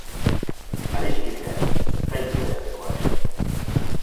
Adiskideak, zaindu beharrekoak.